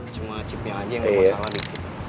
cuma chipnya aja yang gak masalah dikit